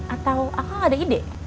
atau aku gak ada ide